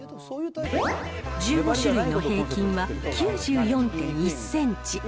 １５種類の平均は９４．１センチ。